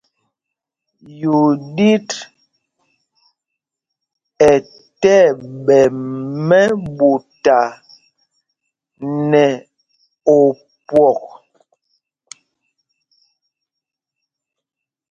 Yúɗit ɛ́ tí ɛɓɛ mɛ́ɓuta nɛ opwɔk.